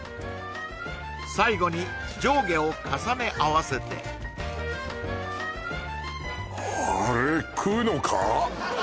最後に上下を重ね合わせてあれ食うのか？